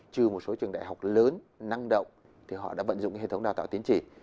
trừ một số trường đại học lớn năng động thì họ đã vận dụng hệ thống đào tạo tiến chỉ